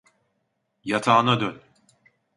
Yatağına dön.